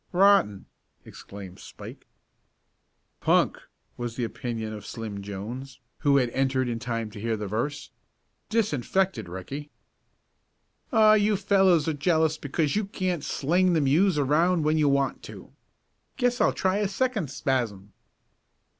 "Rotten!" exclaimed Spike. "Punk!" was the opinion of Slim Jones, who had entered in time to hear the verse. "Disinfect it, Ricky." "Aw, you fellows are jealous because you can't sling the muse around when you want to. Guess I'll try a second spasm."